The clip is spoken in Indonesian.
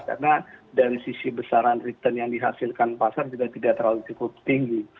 karena dari sisi besaran return yang dihasilkan pasar juga tidak terlalu cukup tinggi